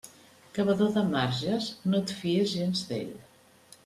Cavador de marges, no et fies gens d'ell.